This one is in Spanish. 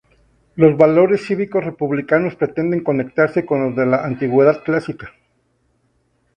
Los valores cívicos republicanos pretenden conectarse con los de la Antigüedad clásica.